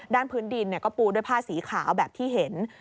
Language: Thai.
ด้านพื้นดินก็ปูด้วยผ้าสีขาวแบบที่เห็น